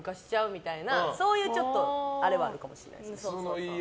みたいなそういうあれはあるかもしれないです。